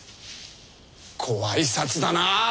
ご挨拶だなあ。